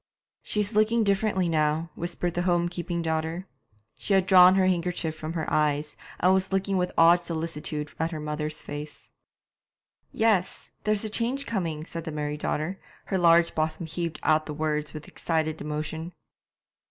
'She's looking differently now,' whispered the home keeping daughter. She had drawn her handkerchief from her eyes, and was looking with awed solicitude at her mother's face. 'Yes, there's a change coming,' said the married daughter; her large bosom heaved out the words with excited emotion.